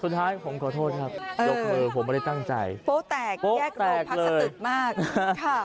สุดท้ายผมขอโทษครับยกมือผมไม่ได้ตั้งใจโฟลแตกแยกโรงพักสตึกมากค่ะ